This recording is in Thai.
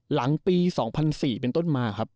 หลังปี๒๐๐๔เป็นต้นมาครับ